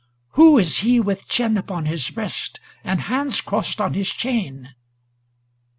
' Who is he with chin Upon his breast, and hands crossed on his chain ?